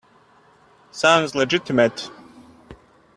Sounds legitimate.